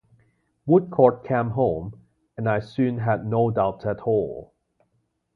Woodcourt came home, and I soon had no doubt at all.